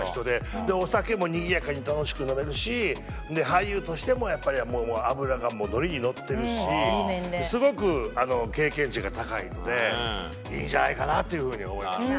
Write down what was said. お酒もにぎやかに楽しく飲めるし俳優としてもやっぱり脂がノリにノッてるしすごく経験値が高いのでいいんじゃないかなっていう風に思いました。